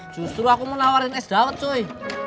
justru aku mau lawarin es daun coy